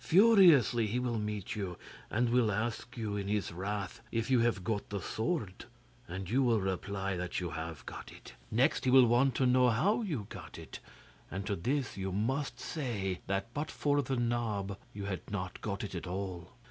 Furiously he will meet you, and will ask you in his wrath if you have got the sword, and you will reply that you have got it. Next he will want to know how you got it, and to this you must say that but for the knob you had not got it at all.